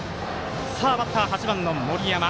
バッター、８番の森山。